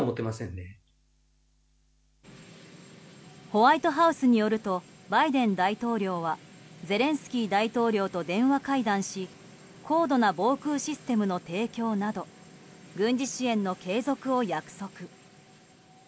ホワイトハウスによるとバイデン大統領はゼレンスキー大統領と電話会談し高度な防空システムの提供など軍事支援の継続を約束。